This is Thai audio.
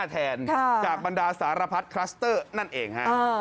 แทนจากบรรดาสารพัดคลัสเตอร์นั่นเองฮะ